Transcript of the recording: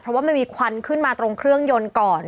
เพราะว่ามันมีควันขึ้นมาตรงเครื่องยนต์ก่อน